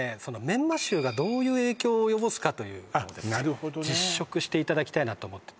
メンマ臭がどういう影響を及ぼすかというなるほどね実食していただきたいなと思って